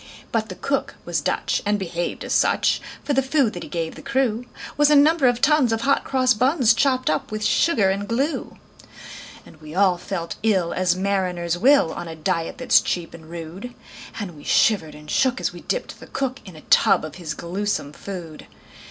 But the cook was Dutch, and behaved as such; For the food that he gave the crew Was a number of tons of hot cross buns, Chopped up with sugar and glue. And we all felt ill as mariners will, On a diet that's cheap and rude; And we shivered and shook as we dipped the cook In a tub of his gluesome food.